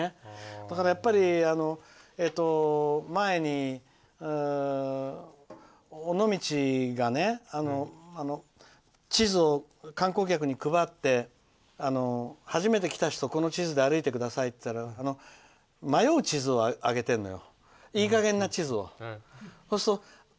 だからやっぱり、前に尾道が地図を観光客に配って初めて来た人、この地図で歩いてくださいって言ったら迷う地図をあげてるのよ。